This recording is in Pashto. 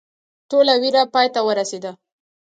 ټوله ویره پای ته ورسېده.